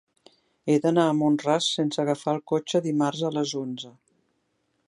He d'anar a Mont-ras sense agafar el cotxe dimarts a les onze.